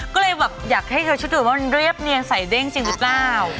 ก็เลยแบบอยากให้เธอชุดดูว่ามันเรียบเนียนใส่เด้งจริงหรือเปล่า